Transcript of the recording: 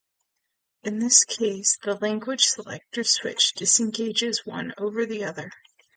In this case, the selector switch disengages one over the other.